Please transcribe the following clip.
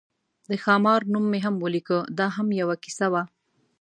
د خامار نوم مې هم ولیکه، دا هم یوه کیسه وه.